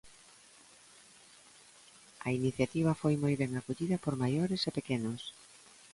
A iniciativa foi moi ben acollida por maiores e pequenos.